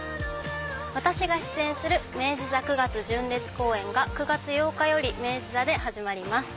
私が出演する『明治座９月純烈公演』が９月８日より明治座で始まります。